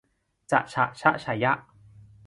จะฉะชะฌะญะ